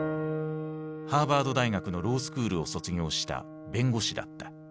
ハーバード大学のロースクールを卒業した弁護士だった。